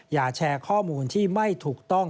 อย่าแชร์ข้อมูลที่ไม่ถูกต้อง